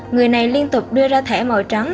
người này liên tục đưa ra thẻ màu trắng